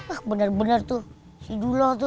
ah bener bener tuh si dulo tuh